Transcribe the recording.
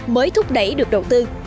mới thúc đẩy được đầu tư